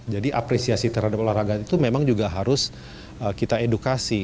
jadi apresiasi terhadap olahraga itu memang juga harus kita edukasi